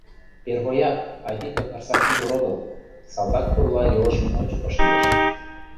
— Первояк, Айвика Карсак ӱдыр огыл, — салтак пурла йолжым ончыко шындыш.